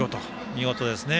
見事ですね。